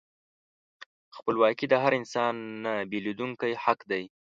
خپلواکي د هر انسان نهبیلېدونکی حق دی.